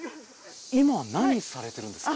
今何されてるんですか？